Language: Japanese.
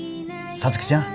皐月ちゃん